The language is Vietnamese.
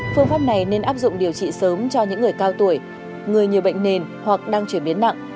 phương pháp này nên áp dụng điều trị sớm cho những người cao tuổi người nhiều bệnh nền hoặc đang chuyển biến nặng